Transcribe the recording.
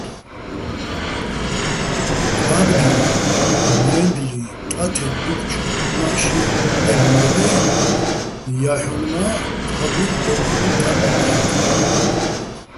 კა́ბდილ, მაჲნდლი, ტათებ - დუჴჭ უ̂ნა́ხში დაჲლ'ნორ-ე́ ჲაჰ̦ონ მა́ თაგუჲნი̆ ო́ქრუჲჼ ტარდ დაჰ̦ითინო́რ.